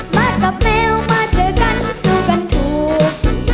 มากับแมวมาเจอกันสู้กันถูก